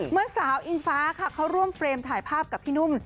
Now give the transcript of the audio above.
เมื่อสาวอิงฟ้าค่ะเขาร่วมเฟรมถ่ายภาพกับพี่นุ่ม